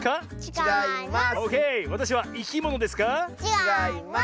ちがいます。